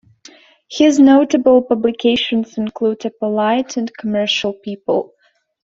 His notable publications include A Polite and Commercial People.